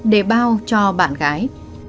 để bao cho bạn gái